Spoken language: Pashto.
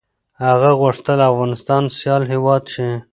هغه غوښتل افغانستان سيال هېواد شي.